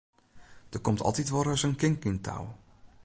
Der komt altyd wolris in kink yn 't tou.